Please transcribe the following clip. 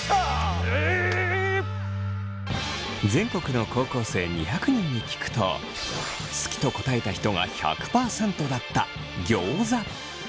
全国の高校生２００人に聞くと好きと答えた人が１００％だったギョーザ。